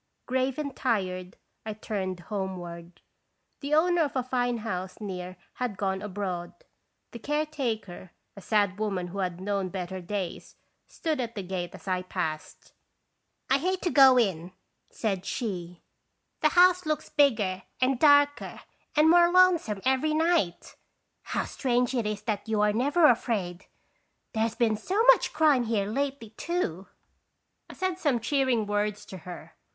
Grave and tired I turned homeward. The owner of a fine house near had gone abroad, the care taker, a sad woman who had known better days, stood at the gate as I passed. " I hate to go in !" said she. " The house 31 radotts Visitation. 151 looks bigger and darker and more lonesome every night ! How strange it is that you are never afraid ! There has been so much crime here lately, too." I said some cheering words to her.